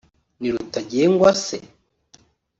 « Ni Rutagengwa se